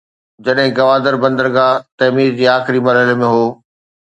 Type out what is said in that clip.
جڏهن گوادر بندرگاهه تعمير جي آخري مرحلي ۾ هو.